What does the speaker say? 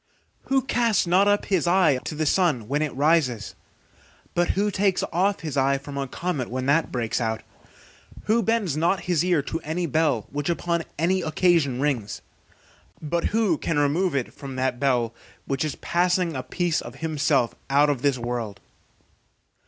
Who casts not up his eye to the sun when it rises? but who takes off his eye from a comet when that breaks out? Who bends not his ear to any bell which upon any occasion rings? but who can remove it from that bell which is passing a piece of himself out of this world?